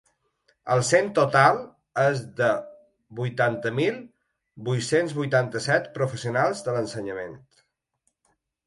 El cens total és de vuitanta mil vuit-cents vuitanta-set professionals de l’ensenyament.